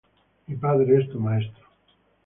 Mi padre es tu maestro.